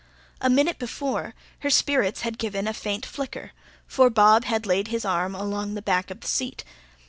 A minute before, her spirits had given a faint flicker, for Bob had laid his arm along the back of the seat.